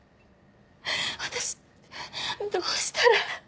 私どうしたら。